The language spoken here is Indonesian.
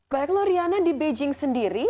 baik loh riana di beijing sendiri